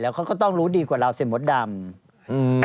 เขาก็ต้องรู้ดีกว่าเราเสียมดดำ